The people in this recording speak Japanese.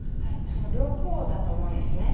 その両方だと思うんです。